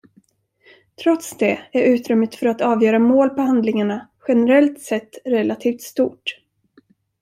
Trots det är utrymmet för att avgöra mål på handlingarna generellt sett relativt stort.